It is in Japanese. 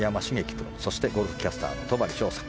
プロそしてゴルフキャスター戸張捷さん。